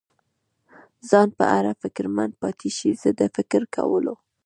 ځان په اړه فکرمند پاتې شي، زه د فکر کولو.